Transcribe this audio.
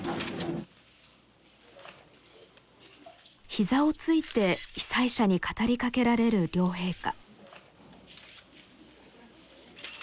膝をついて被災者に語りかけられる両陛下。